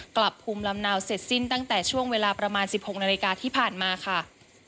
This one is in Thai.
กลับภูมิลำเนาเสร็จสิ้นตั้งแต่ช่วงเวลาประมาณ๑๖นาฬิกาที่ผ่านมาค่ะ